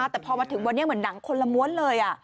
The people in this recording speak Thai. แต่พอมาถึงวันนี้เหมือนหนังคนละม้วนเลย